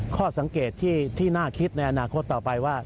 ข้อสังเกตที่น่าคิดในอนาคตต่อไปว่า